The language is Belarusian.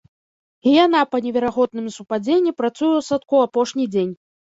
І яна па неверагодным супадзенні працуе ў садку апошні дзень!